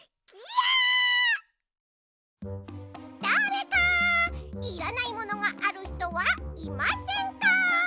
だれかいらないものがあるひとはいませんか？